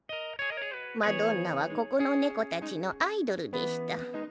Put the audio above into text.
マドンナはここの猫たちのアイドルでした。